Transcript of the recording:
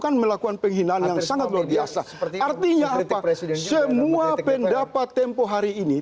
kan melakukan penghinaan yang sangat luar biasa seperti artinya apa semua pendapat tempo hari ini